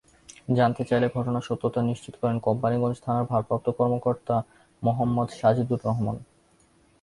জানতে চাইলে ঘটনার সত্যতা নিশ্চিত করেন কোম্পানীগঞ্জ থানার ভারপ্রাপ্ত কর্মকর্তা মোহামঞ্চদ সাজেদুর রহমান।